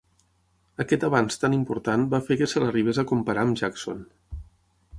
Aquest avanç tan important va fer que se l'arribés a comparar amb Jackson.